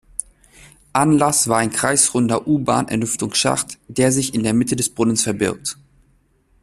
Anlass war ein kreisrunder U-Bahn-Entlüftungsschacht, der sich in der Mitte des Brunnens verbirgt.